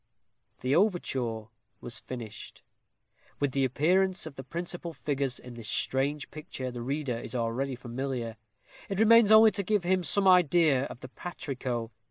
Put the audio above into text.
The overture was finished. With the appearance of the principal figures in this strange picture the reader is already familiar. It remains only to give him some idea of the patrico.